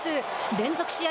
連続試合